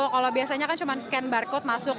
kalau biasanya kan cuma scan barcode masuk